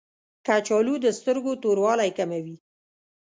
کچالو د سترګو توروالی کموي